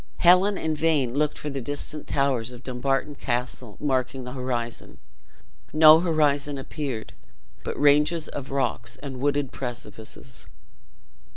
Helen in vain looked for the distant towers of Dumbarton Castle marking the horizon; no horizon appeared, but ranges of rocks and wooded precipices.